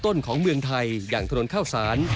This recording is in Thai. ต้นของเมืองไทยอย่างถนนข้าวสาร